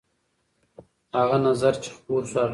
هغه نظر چې خپور شو اغېزمن و.